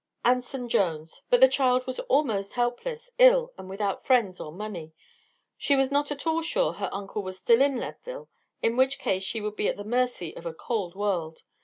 "Anson Jones. But the child was almost helpless, ill and without friends or money. She was not at all sure her uncle was still in Leadville, in which case she would be at the mercy of a cold world.